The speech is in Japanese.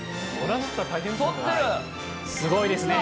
すごいですね。